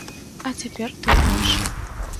А цяпер тым больш.